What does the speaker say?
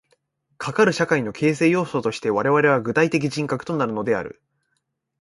かかる社会の形成要素として我々は具体的人格となるのである。